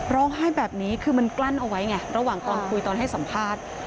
ร้องไห้แบบนี้คือมันกลั้นเอาไว้ไงระหว่างตอนคุยตอนให้สัมภาษณ์